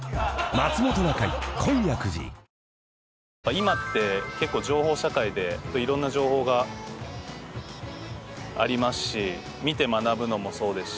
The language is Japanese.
今って結構情報社会でいろんな情報がありますし見て学ぶのもそうですし。